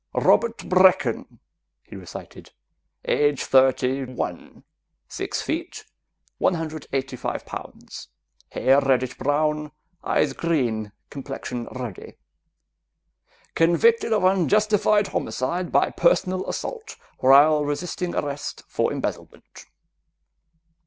"Robert Brecken," he recited, "age thirty one, six feet, one hundred eighty five pounds, hair reddish brown, eyes green, complexion ruddy. Convicted of unjustified homicide by personal assault while resisting arrest for embezzlement.